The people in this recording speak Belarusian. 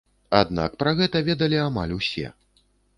Аднак пра гэта ведалі амаль усе.